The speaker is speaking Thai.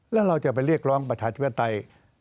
แล้วเราจะไปเรียกร้องประชาธิปไตย